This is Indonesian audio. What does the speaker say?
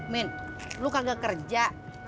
min lu kagak kerja